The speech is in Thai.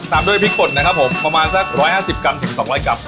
ด้วยพริกกดนะครับผมประมาณสัก๑๕๐กรัมถึง๒๐๐กรัม